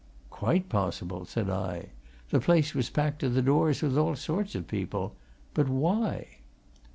"Quite possible," said I. "The place was packed to the doors with all sorts of people. But why?"